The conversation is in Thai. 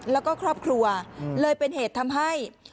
แล้วก็ครอบครัวเลยเป็นเหตุทำให้